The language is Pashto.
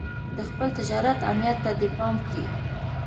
د خپل تجارت امنيت ته دې پام کړی.